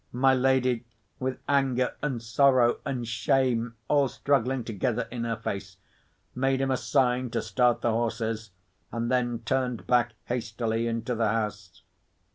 My lady, with anger and sorrow and shame all struggling together in her face, made him a sign to start the horses, and then turned back hastily into the house.